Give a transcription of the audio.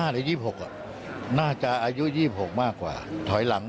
ได้ไม่ฟัง